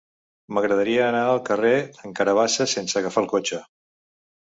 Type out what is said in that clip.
M'agradaria anar al carrer d'en Carabassa sense agafar el cotxe.